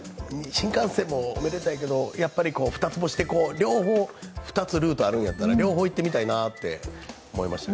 新幹線もめでたいけど、やっぱりふたつ星で２つルートがあるんだったら両方行ってみたいなと思います。